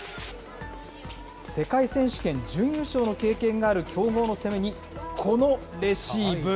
世界選手権準優勝の経験がある強豪の攻めに、このレシーブ。